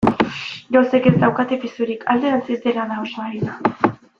Gauzek ez daukate pisurik, alderantziz, dena da oso arina.